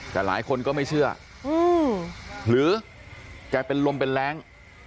แต่หลายคนก็ไม่เชื่อหรือแกเป็นลมเป็นแรง